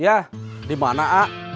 ya di mana ak